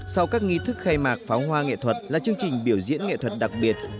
sau các nghi thức khai mạc pháo hoa nghệ thuật là chương trình biểu diễn nghệ thuật đặc biệt